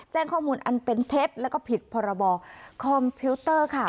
แจ้งข้อมูลอันเป็นเท็จแล้วก็ผิดพรบคอมพิวเตอร์ค่ะ